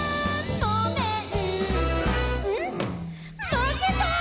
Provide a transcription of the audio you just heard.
まけた」